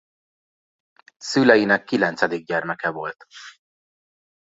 Szüleinek kilencedik gyermeke volt.